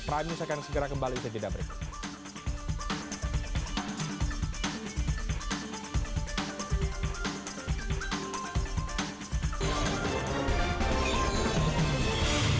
prime news akan segera kembali di segi daftar berikutnya